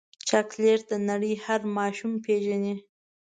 چاکلېټ د نړۍ هر ماشوم پیژني.